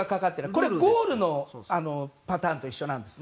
これはゴールのパターンと一緒なんです。